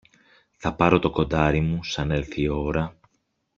Θα πάρω το κοντάρι μου, σαν έλθει η ώρα.